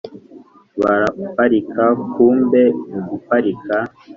baraparika kumbe muguparika